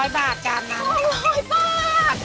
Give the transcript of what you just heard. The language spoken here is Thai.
๒๐๐บาทจานนั้น๒๐๐บาท